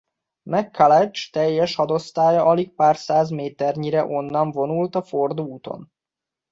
McCulloch teljes hadosztálya alig pár száz méternyire onnan vonult a Ford úton.